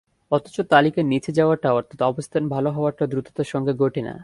অথচ তালিকার নিচে যাওয়াটা অর্থাৎ অবস্থান ভালো হওয়াটা দ্রুততার সঙ্গে ঘটে না।